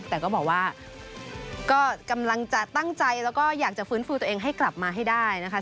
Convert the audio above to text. แต่ก็บอกว่าก็กำลังจะตั้งใจแล้วก็อยากจะฟื้นฟูตัวเองให้กลับมาให้ได้นะคะ